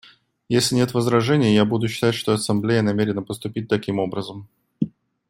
Если нет возражений, я буду считать, что Ассамблея намерена поступить таким образом.